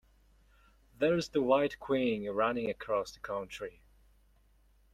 There’s the White Queen running across the country!